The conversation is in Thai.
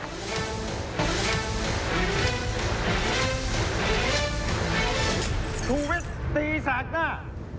ชูวิทย์ตีแสกหน้า